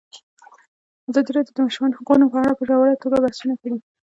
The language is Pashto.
ازادي راډیو د د ماشومانو حقونه په اړه په ژوره توګه بحثونه کړي.